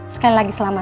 sekali lagi selamat